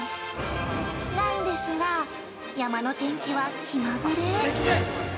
なんですが山の天気は気まぐれ。